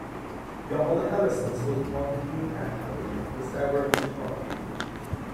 Jarle Hellesnes was appointed new head coach after Stavrum's departure.